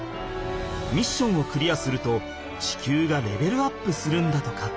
ミッションをクリアすると地球がレベルアップするんだとか。